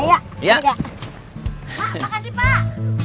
mak makasih pak